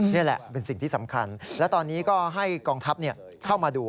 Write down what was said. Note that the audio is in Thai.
นี่แหละเป็นสิ่งที่สำคัญและตอนนี้ก็ให้กองทัพเข้ามาดู